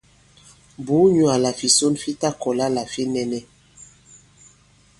Bùu nyǔ àlà fìson fi ta-kɔ̀la là fi nɛnɛ.